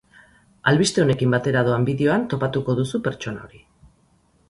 Albiste honekin batera doan bideoan topatuko duzu pertsona hori.